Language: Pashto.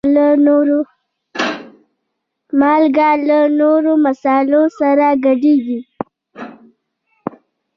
مالګه له نورو مصالحو سره ګډېږي.